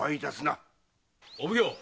・お奉行！